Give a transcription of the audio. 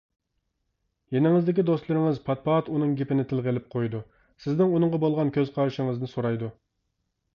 يېنىڭىزدىكى دوستلىرىڭىز پات-پات ئۇنىڭ گېپىنى تىلغا ئېلىپ قويىدۇ، سىزنىڭ ئۇنىڭغا بولغان كۆز قارىشىڭىزنى سورايدۇ.